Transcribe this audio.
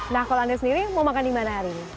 nah kalau anda sendiri mau makan dimana hari ini